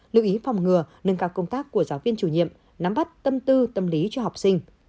lưu ý phòng ngừa nâng cao công tác của giáo viên chủ nhiệm nắm bắt tâm tư tâm lý cho học sinh